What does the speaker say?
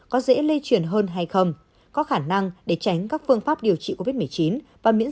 có dễ lây truyền hơn hay không có khả năng để tránh các phương pháp điều trị covid một mươi chín và miễn